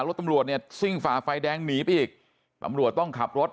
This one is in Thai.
รถตำรวจเนี่ยซิ่งฝ่าไฟแดงหนีไปอีกตำรวจต้องขับรถ